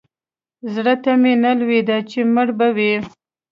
زړه ته مې نه لوېده چې مړ به وي.